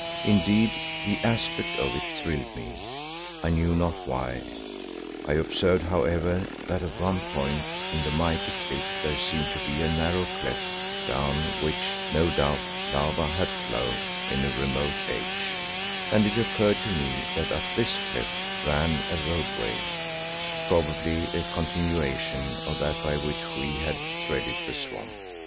Indeed, the aspect of it thrilled me, I knew not why. I observed, however, that at one point in the mighty cliff there seemed to be a narrow cleft down which, no doubt, lava had flowed in a remote age, and it occurred to me that up this cleft ran a roadway, probably a continuation of that by which we had threaded the swamp.